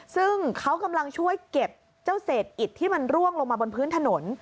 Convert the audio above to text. ซึ่งเขากำลังช่วยเก็บเจ้าเศษอิดที่มันร่วงลงมาบนพื้นถนน